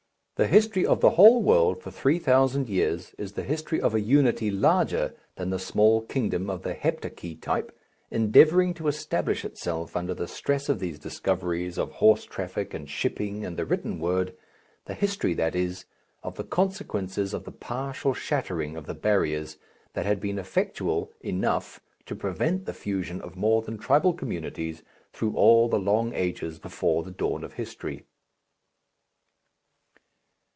The history of the whole world for three thousand years is the history of a unity larger than the small kingdom of the Heptarchy type, endeavouring to establish itself under the stress of these discoveries of horse traffic and shipping and the written word, the history, that is, of the consequences of the partial shattering of the barriers that had been effectual enough to prevent the fusion of more than tribal communities through all the long ages before the dawn of history.